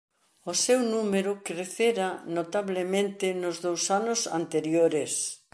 O seu número crecera notablemente nos dous anos anteriores.